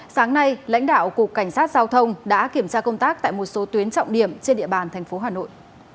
sáng nay lãnh đạo cục cảnh sát giao thông đã kiểm tra công tác tại một số tuyến trọng điểm trên địa bàn thành phố hà nội